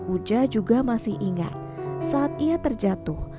uja juga masih ingat saat ia terjatuh